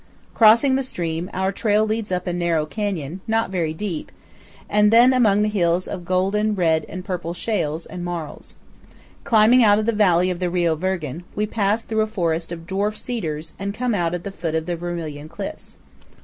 Crossing the stream, our trail leads up a narrow canyon, not very deep, and then among the hills of golden, red, and purple shales and marls. Climbing out of the valley of the Rio Virgen, we pass through a forest of dwarf cedars and come out at the foot of the Vermilion Cliffs.